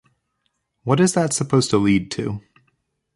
What is that supposed to lead to?